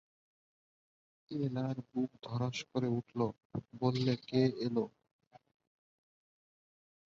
এলার বুক ধড়াস করে উঠল, বললে, কে এল?